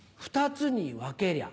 ２つに分けりゃ？